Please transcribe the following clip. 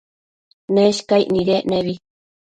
Neshcaic nidec nebi